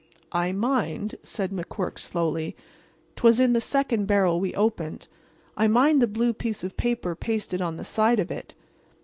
"I mind," said McQuirk, slowly, "'twas in the second barrel we opened. I mind the blue piece of paper pasted on the side of it."